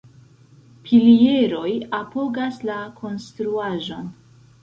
Pilieroj apogas la konstruaĵon.